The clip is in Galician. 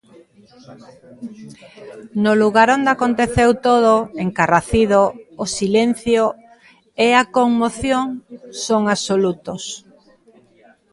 No lugar onde aconteceu todo, en Carracido, o silencio e a conmoción son absolutos.